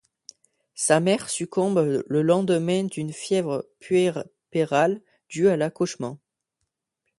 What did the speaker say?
Sa mère succombe le lendemain d'une fièvre puerpérale due à l'accouchement.